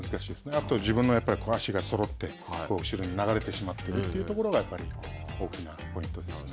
あと、自分の足がそろって後ろに流れてしまっているというところが大きなポイントですね。